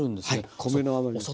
はい米の甘みが。